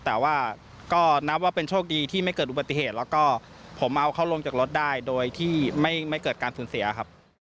แล้วก็ผมเอาเขาลงจากรถได้โดยที่ไม่เกิดการสูญเสียครับ